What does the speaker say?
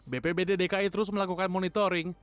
bpb di dki terus melakukan monitoring